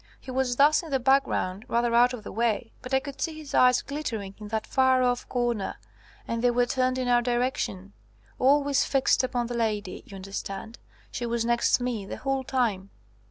He was thus in the background, rather out of the way, but I could see his eyes glittering in that far off corner, and they were turned in our direction, always fixed upon the lady, you understand. She was next me, the whole time.